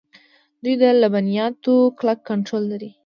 دوی د لبنیاتو کلک کنټرول لري.